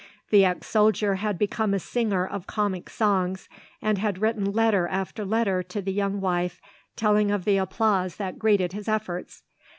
The ex soldier had become a singer of comic songs and had written letter after letter to the young wife telling of the applause that greeted his efforts.